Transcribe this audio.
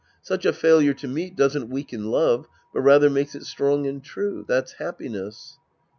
Such a failure to meet doesn't weaken love, but rather makes it strong and true. That's happiness.